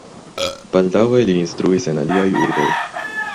Baldaŭe li instruis en aliaj urboj.